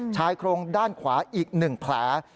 ชายโครงด้านขวาอีก๑แผล